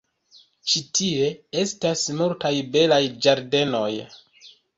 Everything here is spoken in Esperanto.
Ĉi tie estas multaj belaj ĝardenoj.